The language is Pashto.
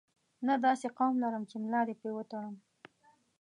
نه داسې قوم لرم چې ملا دې په وتړم.